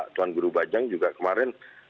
tuan guru bajang juga kemarin